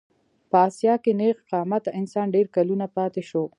په اسیا کې نېغ قامته انسان ډېر کلونه پاتې شو.